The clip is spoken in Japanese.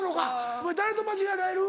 お前誰と間違えられる？